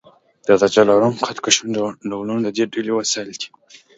د درجه لرونکو خط کشونو ډولونه د دې ډلې وسایل دي.